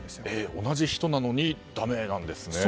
同じ人なのにだめなんですね。